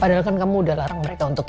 padahal kan kamu udah larang mereka untuk